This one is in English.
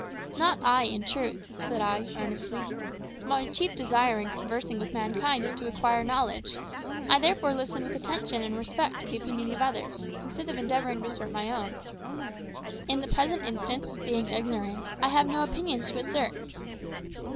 "Not I, in truth," said I, earnestly. "My chief desire in conversing with mankind is to acquire knowledge; I therefore listen with attention and respect to the opinions of others, instead of endeavouring to assert my own. In the present instance, being ignorant, I have no opinions to assert."